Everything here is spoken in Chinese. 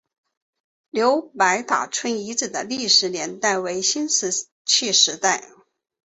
刘白塔村遗址的历史年代为新石器时代。